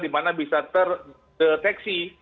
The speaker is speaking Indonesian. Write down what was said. di mana bisa terdeteksi